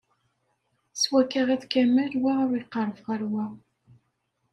S wakka iḍ kamel, wa ur iqerreb ɣer wa.